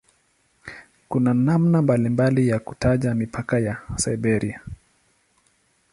Kuna namna mbalimbali ya kutaja mipaka ya "Siberia".